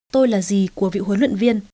tôi là dì của vị huấn luyện viên